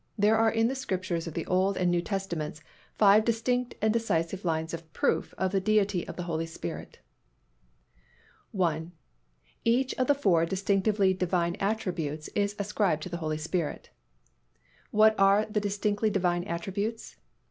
There are in the Scriptures of the Old and New Testaments five distinct and decisive lines of proof of the Deity of the Holy Spirit. I. Each of the four distinctively Divine attributes is ascribed to the Holy Spirit. What are the distinctively Divine attributes?